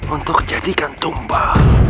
untuk jadikan tumbang